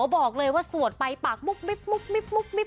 บอกเลยว่าสวดเป็นปากมุ๊บเนี่ย